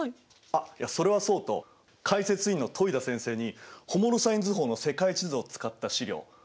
あっいやそれはそうと解説委員の戸井田先生にホモロサイン図法の世界地図を使った資料褒めていただきました！